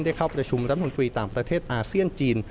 เข้าประชุมรัฐมนตรีต่างประเทศอาเซียนจีน